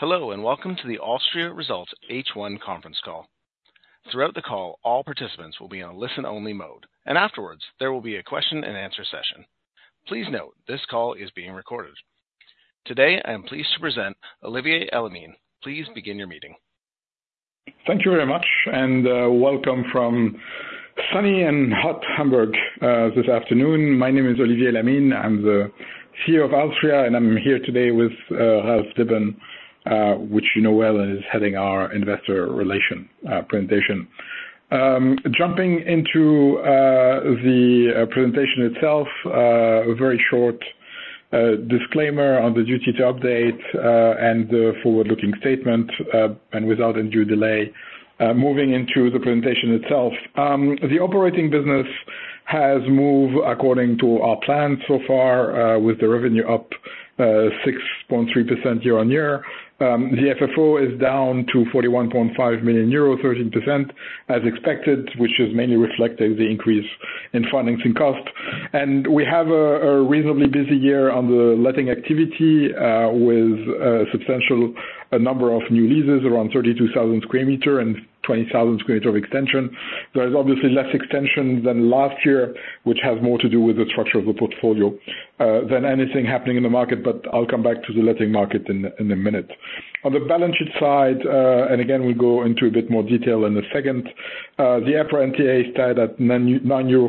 Hello, and welcome to the Alstria Results H1 conference call. Throughout the call, all participants will be on listen-only mode, and afterwards, there will be a question and answer session. Please note, this call is being recorded. Today, I am pleased to present Olivier Elamine. Please begin your meeting. Thank you very much, and welcome from sunny and hot Hamburg this afternoon. My name is Olivier Elamine. I'm the CEO of alstria, and I'm here today with Ralf Dibbern, which you know well, is heading our investor relations presentation. Jumping into the presentation itself, a very short disclaimer on the duty to update and the forward-looking statement, and without undue delay, moving into the presentation itself. The operating business has moved according to our plan so far, with the revenue up 6.3% year-on-year. The FFO is down to 41.5 million euros, 13% as expected, which is mainly reflecting the increase in financing costs. And we have a reasonably busy year on the letting activity, with substantial number of new leases, around 32,000 sq m and 20,000 sq m of extension. There is obviously less extension than last year, which has more to do with the structure of the portfolio, than anything happening in the market, but I'll come back to the letting market in a minute. On the balance sheet side, and again, we'll go into a bit more detail in a second. The EPRA NTA is at 9.45 euro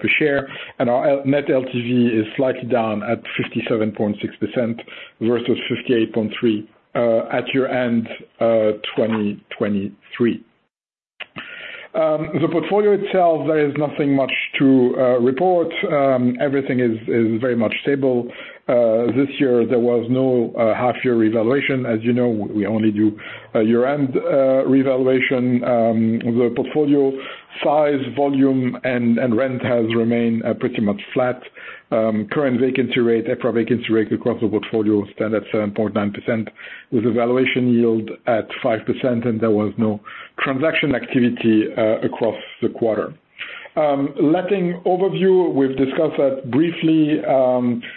per share, and our net LTV is slightly down at 57.6%, versus 58.3% at year-end 2023. The portfolio itself, there is nothing much to report. Everything is very much stable. This year, there was no half year revaluation. As you know, we only do a year-end revaluation. The portfolio size, volume and rent has remained pretty much flat. Current vacancy rate, EPRA vacancy rate across the portfolio stand at 7.9%, with valuation yield at 5%, and there was no transaction activity across the quarter. Letting overview, we've discussed that briefly.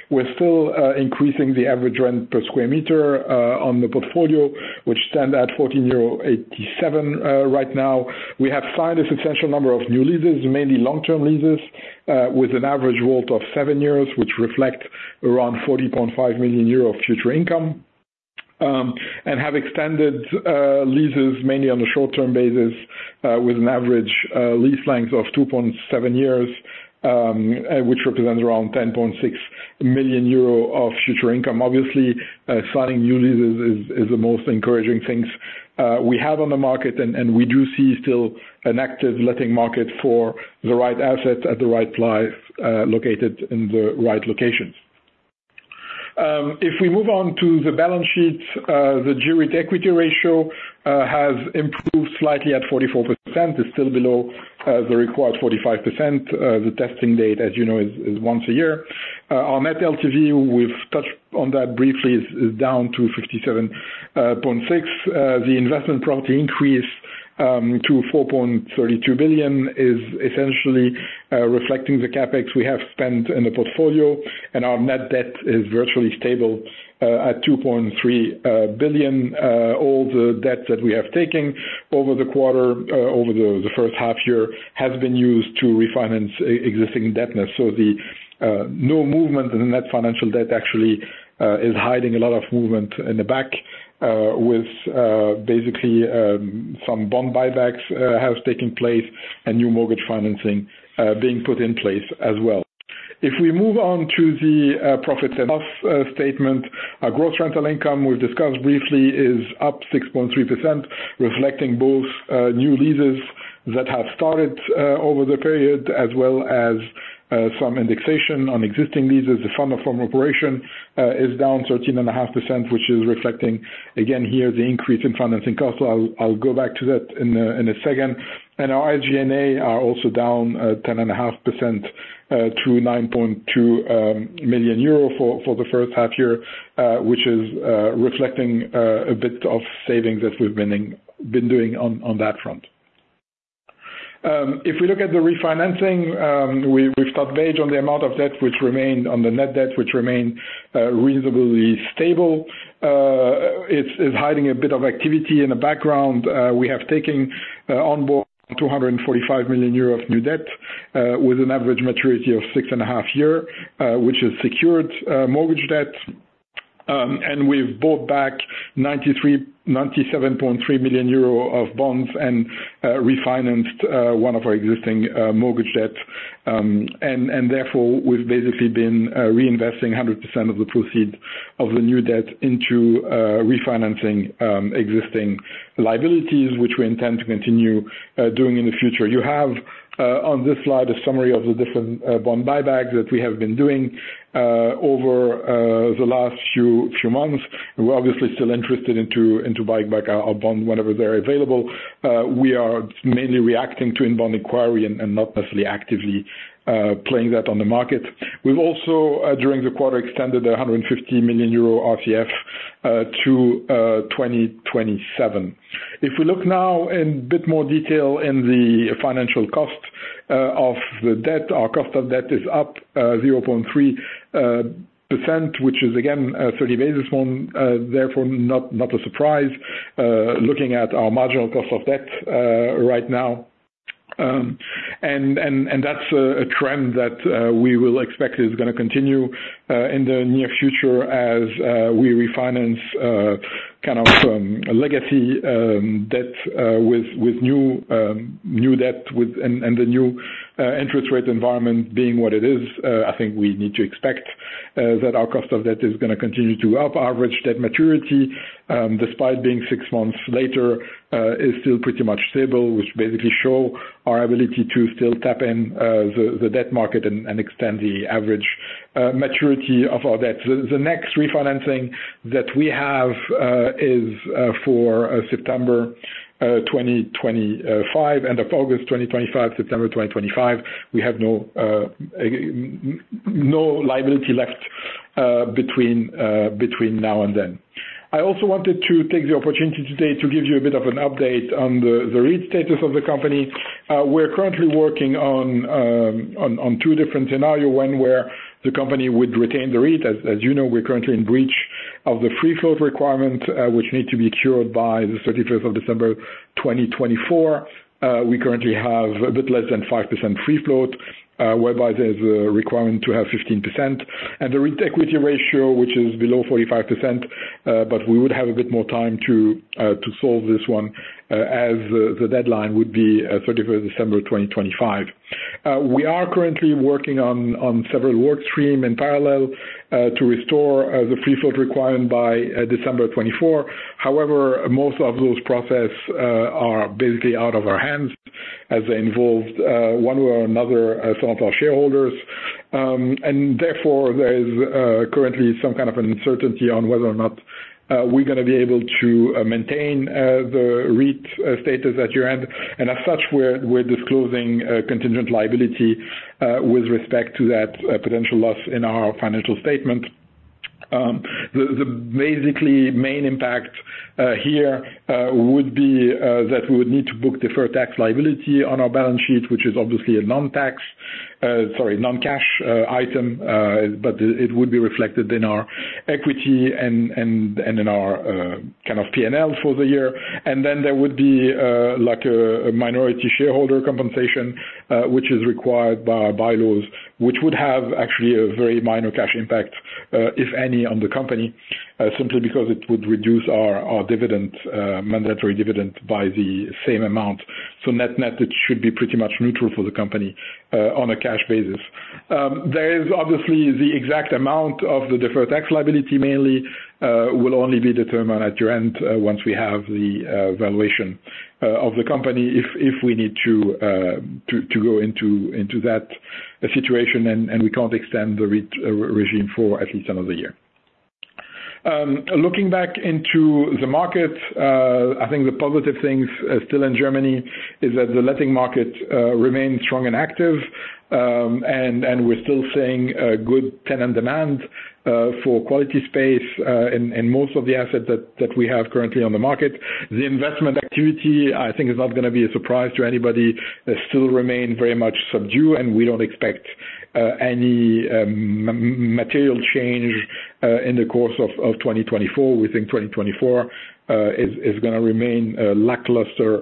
We're still increasing the average rent per square meter on the portfolio, which stand at 14.87 right now. We have signed a substantial number of new leases, mainly long-term leases, with an average WALT of 7 years, which reflect around 40.5 million euro of future income. And have extended leases mainly on the short-term basis, with an average lease length of 2.7 years, which represents around 10.6 million euro of future income. Obviously, signing new leases is the most encouraging things we have on the market. And we do see still an active letting market for the right asset at the right price, located in the right locations. If we move on to the balance sheet, the gearing equity ratio has improved slightly at 44%. It's still below the required 45%. The testing date, as you know, is once a year. Our net LTV, we've touched on that briefly, is down to 57.6. The investment property increase to 4.32 billion is essentially reflecting the CapEx we have spent in the portfolio, and our net debt is virtually stable at 2.3 billion. All the debt that we have taken over the quarter over the first half year has been used to refinance existing debt net. So, no movement in the net financial debt, actually, is hiding a lot of movement in the back with basically some bond buybacks have taken place and new mortgage financing being put in place as well. If we move on to the profit and loss statement, our gross rental income, we've discussed briefly, is up 6.3%, reflecting both new leases that have started over the period, as well as some indexation on existing leases. The Funds from Operations is down 13.5%, which is reflecting, again, here, the increase in financing cost. I'll go back to that in a second, and our SG&A are also down 10.5% to 9.2 million euro for the first half year, which is reflecting a bit of savings that we've been doing on that front. If we look at the refinancing, we've stayed on the amount of debt which remained on the net debt, which remained reasonably stable. It's hiding a bit of activity in the background. We have taken on board 245 million euro of new debt with an average maturity of 6.5 years, which is secured mortgage debt, and we've bought back 97.3 million euro of bonds and refinanced one of our existing mortgage debt, and therefore, we've basically been reinvesting 100% of the proceeds of the new debt into refinancing existing liabilities, which we intend to continue doing in the future. You have on this slide a summary of the different bond buybacks that we have been doing over the last few months. We're obviously still interested in buying back our bonds whenever they're available. We are mainly reacting to inbound inquiry and not necessarily actively playing that on the market. We've also during the quarter extended 150 million euro RCF to 2027. If we look now in a bit more detail in the financial costs of the debt, our cost of debt is up 0.3%, which is again 30 basis points, therefore not a surprise looking at our marginal cost of debt right now. And that's a trend that we will expect is gonna continue in the near future as we refinance kind of a legacy debt with new debt with and the new interest rate environment being what it is. I think we need to expect that our cost of debt is gonna continue to up. Average debt maturity, despite being six months later, is still pretty much stable, which basically show our ability to still tap in the debt market and extend the average maturity of our debt. The next refinancing that we have is for September 2025, end of August 2025, September 2025. We have no, no liability left, between now and then. I also wanted to take the opportunity today to give you a bit of an update on the REIT status of the company. We're currently working on two different scenario, one where the company would retain the REIT. As you know, we're currently in breach of the free float requirement, which need to be cured by the thirty-first of December 2024. We currently have a bit less than 5% free float, whereby there's a requirement to have 15%, and the REIT equity ratio, which is below 45%, but we would have a bit more time to solve this one, as the deadline would be 31st December 2025. We are currently working on several work streams in parallel to restore the free float requirement by December 2024. However, most of those processes are basically out of our hands, as they involved one way or another some of our shareholders. Therefore, there is currently some kind of an uncertainty on whether or not we're gonna be able to maintain the REIT status at year-end. As such, we're disclosing a contingent liability with respect to that potential loss in our financial statement. The basically main impact here would be that we would need to book deferred tax liability on our balance sheet, which is obviously a non-cash item, but it would be reflected in our equity and in our kind of PNL for the year. And then there would be like a minority shareholder compensation which is required by our bylaws, which would have actually a very minor cash impact, if any, on the company, simply because it would reduce our mandatory dividend by the same amount. So net-net, it should be pretty much neutral for the company on a cash basis. There is obviously the exact amount of the deferred tax liability, mainly, will only be determined at year-end, once we have the valuation of the company, if we need to go into that situation, and we can't extend the REIT regime for at least another year. Looking back into the market, I think the positive things still in Germany is that the letting market remains strong and active. We're still seeing good tenant demand for quality space in most of the assets that we have currently on the market. The investment activity, I think, is not gonna be a surprise to anybody, still remain very much subdued, and we don't expect any material change in the course of 2024. We think 2024 is gonna remain a lackluster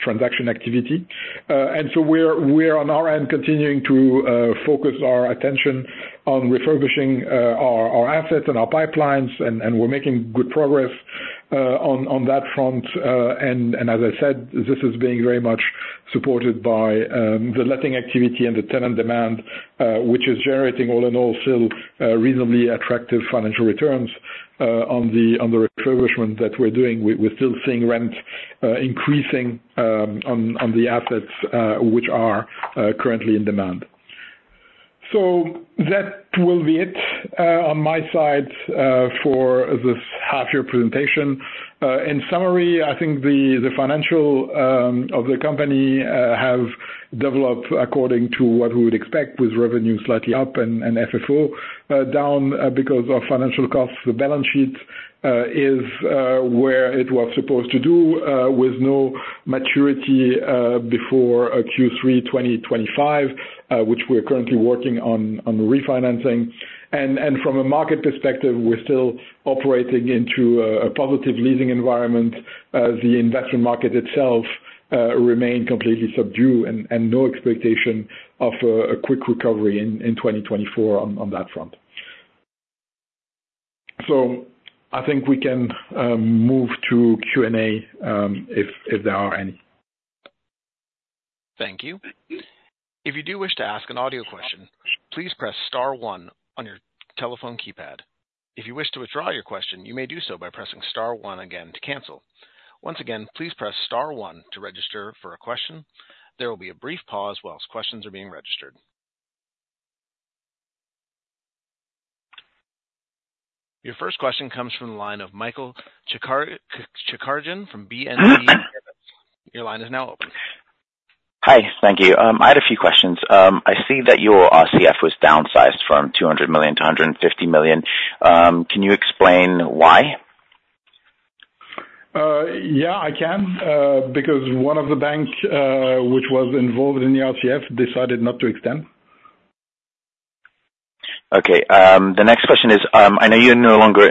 transaction activity, and so we're on our end continuing to focus our attention on refurbishing our assets and our pipelines, and we're making good progress on that front, and as I said, this is being very much supported by the letting activity and the tenant demand, which is generating, all in all, still reasonably attractive financial returns on the refurbishment that we're doing. We're still seeing rents increasing on the assets which are currently in demand, so that will be it on my side for this half year presentation. In summary, I think the financials of the company have developed according to what we would expect, with revenue slightly up and FFO down because of financial costs. The balance sheet is where it was supposed to do with no maturity before Q3 2025, which we're currently working on refinancing, and from a market perspective, we're still operating into a positive leasing environment. The investment market itself remain completely subdued and no expectation of a quick recovery in 2024 on that front, so I think we can move to Q&A if there are any. Thank you. If you do wish to ask an audio question, please press star one on your telephone keypad. If you wish to withdraw your question, you may do so by pressing star one again to cancel. Once again, please press star one to register for a question. There will be a brief pause while questions are being registered. Your first question comes from the line of Michail Tsagkaris from Bank of America. Your line is now open. Hi, thank you. I had a few questions. I see that your RCF was downsized from 200 million to 150 million. Can you explain why? Yeah, I can, because one of the banks, which was involved in the RCF decided not to extend. Okay. The next question is, I know you no longer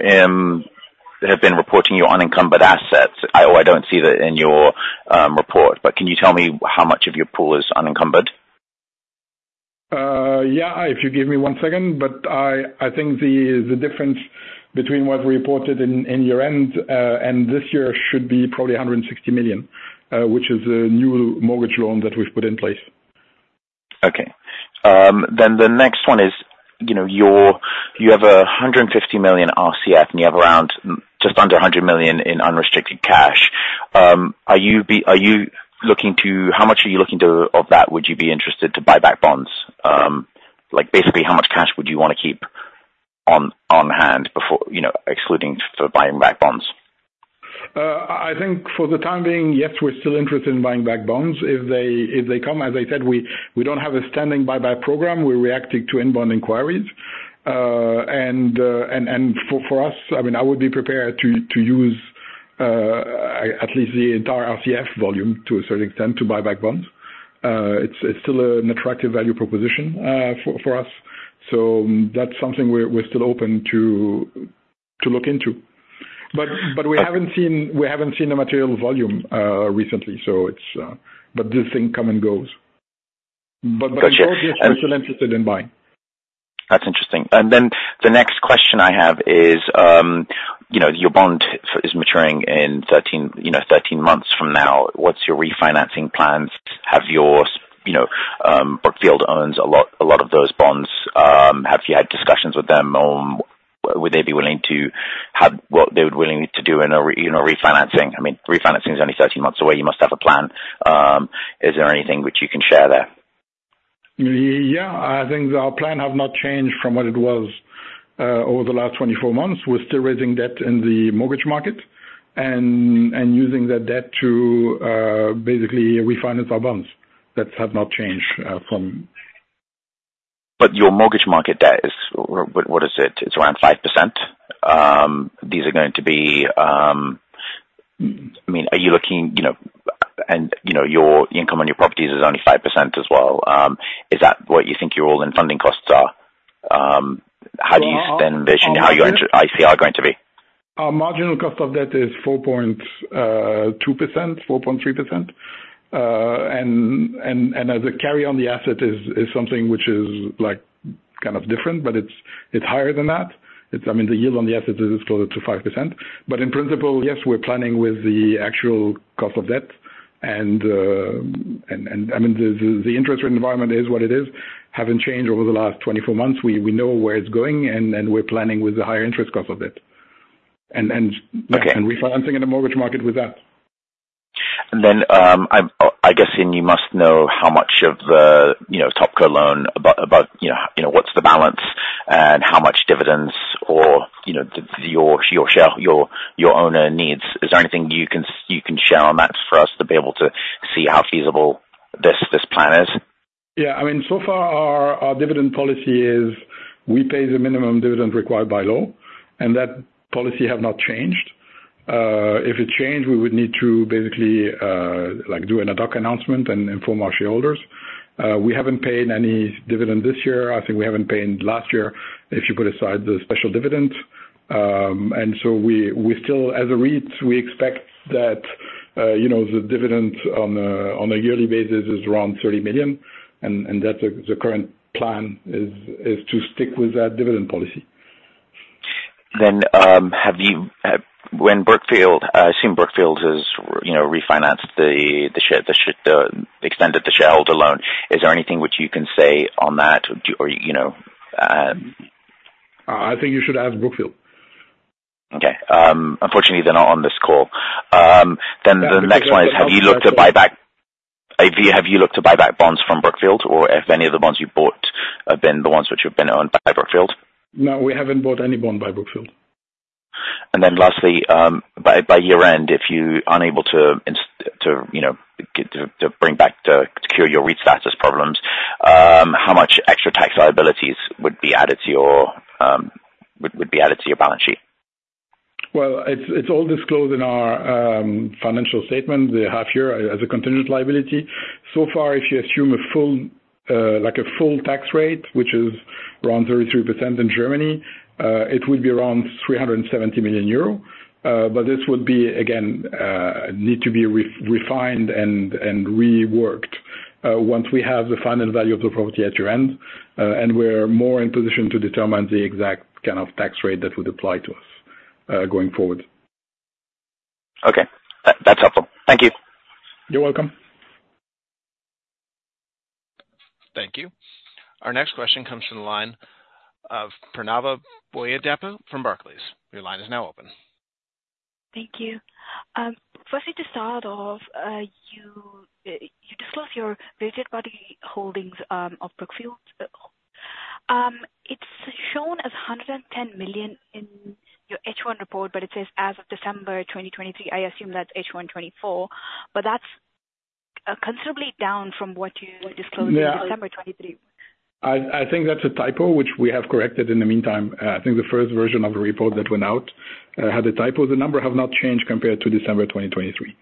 have been reporting your unencumbered assets, or I don't see that in your report, but can you tell me how much of your pool is unencumbered? Yeah, if you give me one second, but I think the difference between what we reported in year-end and this year should be probably 160 million, which is a new mortgage loan that we've put in place. Okay, then the next one is, you know, you have 150 million RCF, and you have around just under 100 million in unrestricted cash. Are you looking to? How much are you looking to, of that, would you be interested to buy back bonds? Like, basically, how much cash would you wanna keep on hand before, you know, excluding for buying back bonds? I think for the time being, yes, we're still interested in buying back bonds. If they come, as I said, we don't have a standing buyback program. We're reacting to inbound inquiries. For us, I mean, I would be prepared to use at least the entire RCF volume to a certain extent to buy back bonds. It's still an attractive value proposition for us, so that's something we're still open to look into. But we haven't seen the material volume recently, so it's—but this thing come and goes. But we're still interested in buying. That's interesting. Then the next question I have is, you know, your bond is maturing in thirteen, you know, thirteen months from now. What's your refinancing plans? Have you, you know, Brookfield owns a lot, a lot of those bonds. Have you had discussions with them, or would they be willing to have—what they would be willing to do in a refinancing? I mean, refinancing is only thirteen months away. You must have a plan. Is there anything which you can share there? Yeah, I think our plan has not changed from what it was over the last 24 months. We're still raising debt in the mortgage market, and using that debt to basically refinance our bonds. That has not changed from- But your mortgage market debt is, what is it? It's around 5%. These are going to be—I mean, are you looking, you know, and, you know, your income on your properties is only 5% as well. Is that what you think your all-in funding costs are? How do you spend- Well, our- How your ICR are going to be? Our marginal cost of debt is 4.2% to 4.3%. And as a carry on the asset is something which is like kind of different, but it's higher than that. It's I mean the yield on the asset is closer to 5%. But in principle, yes, we're planning with the actual cost of debt, and I mean the interest rate environment is what it is. Haven't changed over the last 24 months. We know where it's going, and we're planning with the higher interest cost of it. And Okay. refinancing in the mortgage market with that. And then, I guess, you must know how much of the, you know, Topco loan about, you know, what's the balance, and how much dividends or, you know, your share, your owner needs. Is there anything you can share on that for us to be able to see how feasible this plan is? Yeah. I mean, so far, our dividend policy is we pay the minimum dividend required by law, and that policy have not changed. If it changed, we would need to basically, like, do an ad hoc announcement and inform our shareholders. We haven't paid any dividend this year. I think we haven't paid last year, if you put aside the special dividend, and so we still, as a REIT, we expect that, you know, the dividend on a yearly basis is around 30 million, and that's the current plan, to stick with that dividend policy. Then, when Brookfield, I assume Brookfield has you know refinanced the shareholder loan. Is there anything which you can say on that, or do, or, you know, I think you should ask Brookfield. Okay. Unfortunately, they're not on this call. Then the next one is: Have you looked to buy back bonds from Brookfield, or if any of the bonds you bought have been the ones which have been owned by Brookfield? No, we haven't bought any bond by Brookfield. And then lastly, by year-end, if you are unable to, you know, get to bring back to cure your REIT status problems, how much extra tax liabilities would be added to your balance sheet? It's all disclosed in our financial statement, the half year, as a contingent liability. So far, if you assume a full, like a full tax rate, which is around 33% in Germany, it would be around 370 million euro. But this would be, again, need to be refined and reworked, once we have the final value of the property at year-end, and we're more in position to determine the exact kind of tax rate that would apply to us, going forward. Okay. That, that's helpful. Thank you. You're welcome. Thank you. Our next question comes from the line of Pranava Boyidapu from Barclays. Your line is now open. Thank you. Firstly, to start off, you disclose your registered shareholder holdings of Brookfield. It's shown as 110 million in your H1 report, but it says as of December 2023. I assume that's H1 2024, but that's considerably down from what you disclosed- Yeah. -in December 2023. I think that's a typo, which we have corrected in the meantime. I think the first version of the report that went out had a typo. The number have not changed compared to December 2023.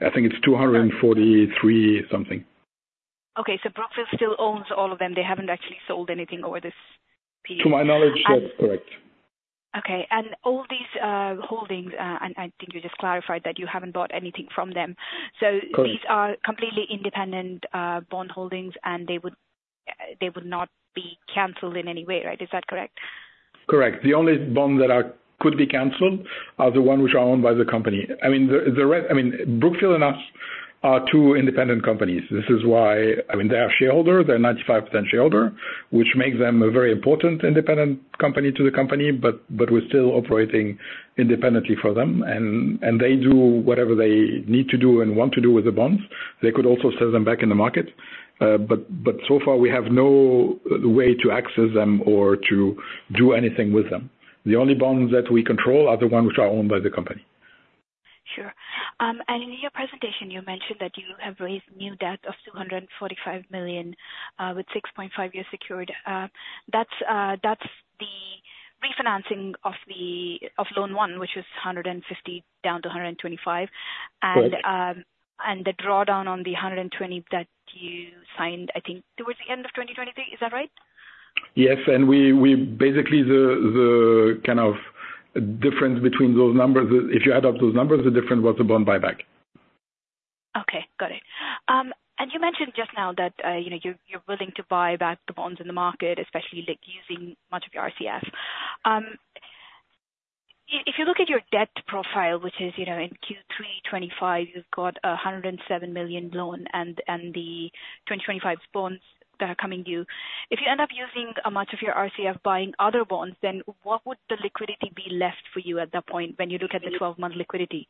I think it's two hundred and forty-three something. Okay, so Brookfield still owns all of them. They haven't actually sold anything over this period? To my knowledge, that's correct. Okay. And all these holdings, and I think you just clarified that you haven't bought anything from them. Correct. So these are completely independent bond holdings, and they would not be canceled in any way, right? Is that correct? Correct. The only bond that could be canceled are the one which are owned by the company. I mean, Brookfield and us are two independent companies. This is why I mean, they're a shareholder, they're 95% shareholder, which makes them a very important independent company to the company, but we're still operating independently for them. And they do whatever they need to do and want to do with the bonds. They could also sell them back in the market, but so far, we have no way to access them or to do anything with them. The only bonds that we control are the ones which are owned by the company. Sure. And in your presentation, you mentioned that you have raised new debt of 245 million with 6.5 years secured. That's the refinancing of the loan one, which is 150 million down to 125 million. Correct. And the drawdown on the 120 that you signed, I think, toward the end of 2023. Is that right? Yes, and we basically, the kind of difference between those numbers. If you add up those numbers, the difference was the bond buyback. Okay, got it. And you mentioned just now that, you know, you're willing to buy back the bonds in the market, especially, like, using much of your RCF. If you look at your debt profile, which is, you know, in Q3 2025, you've got a 107 million loan and the 2025 bonds that are coming due. If you end up using much of your RCF buying other bonds, then what would the liquidity be left for you at that point, when you look at the 12-month liquidity?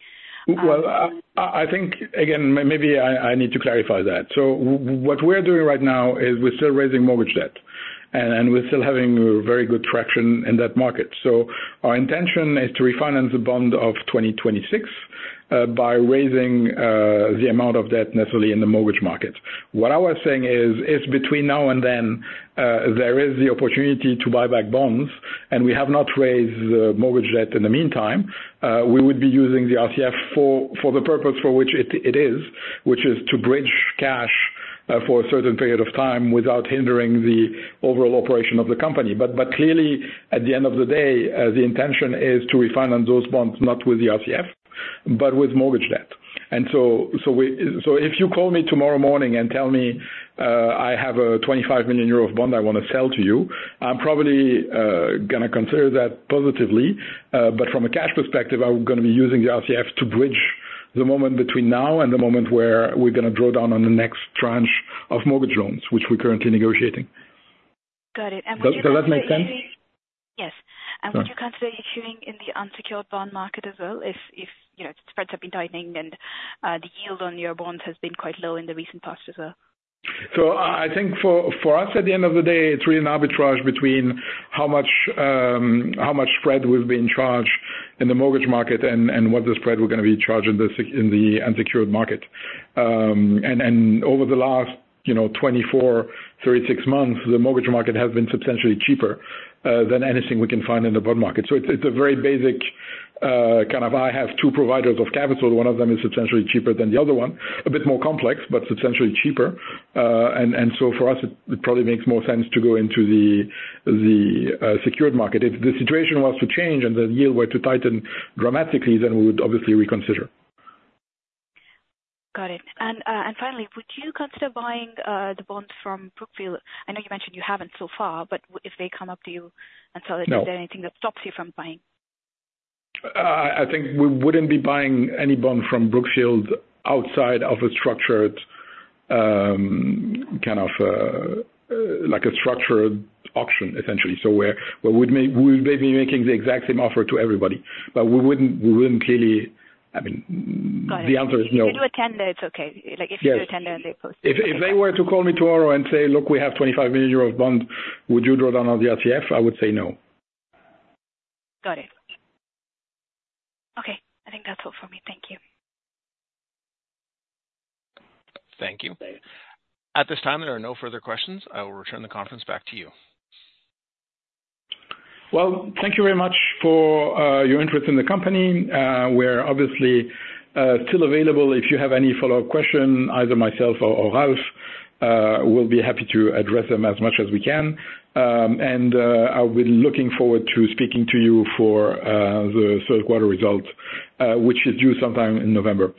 I think, again, maybe I need to clarify that. So what we're doing right now is we're still raising mortgage debt, and we're still having very good traction in that market. So our intention is to refinance the bond of 2026 by raising the amount of debt necessarily in the mortgage market. What I was saying is, if between now and then there is the opportunity to buy back bonds, and we have not raised the mortgage debt in the meantime, we would be using the RCF for the purpose for which it is, which is to bridge cash for a certain period of time without hindering the overall operation of the company. But clearly, at the end of the day, the intention is to refinance those bonds, not with the RCF, but with mortgage debt. So if you call me tomorrow morning and tell me, "I have a 25 million euro bond I wanna sell to you," I'm probably gonna consider that positively. But from a cash perspective, I'm gonna be using the RCF to bridge the moment between now and the moment where we're gonna draw down on the next tranche of mortgage loans, which we're currently negotiating. Got it. And would you- Does that make sense? Yes. Good. Would you consider issuing in the unsecured bond market as well, if you know, spreads have been tightening and the yield on your bonds has been quite low in the recent past as well? So I think for us, at the end of the day, it's really an arbitrage between how much spread we've been charged in the mortgage market and what the spread we're gonna be charged in the unsecured market. And over the last, you know, 24-36 months, the mortgage market has been substantially cheaper than anything we can find in the bond market. It's a very basic kind of, I have two providers of capital, one of them is substantially cheaper than the other one. A bit more complex, but substantially cheaper. And so for us, it probably makes more sense to go into the secured market. If the situation was to change and the yield were to tighten dramatically, then we would obviously reconsider. Got it. And finally, would you consider buying the bonds from Brookfield? I know you mentioned you haven't so far, but if they come up to you and sell it- No. Is there anything that stops you from buying? I think we wouldn't be buying any bond from Brookfield outside of a structured, kind of, like a structured auction, essentially, so where we'd make, we would maybe making the exact same offer to everybody, but we wouldn't clearly. I mean, Got it. The answer is no. If you attend, then it's okay. Yes. Like, if you attend and they post- If they were to call me tomorrow and say, "Look, we have 25 million euros of bonds, would you draw down on the RCF?" I would say no. Got it. Okay, I think that's all for me. Thank you. Thank you. At this time, there are no further questions. I will return the conference back to you. Thank you very much for your interest in the company. We're obviously still available if you have any follow-up question, either myself or Ralf, we'll be happy to address them as much as we can, and I'll be looking forward to speaking to you for the third quarter results, which is due sometime in November.